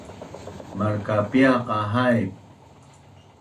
Malkapia qa haip?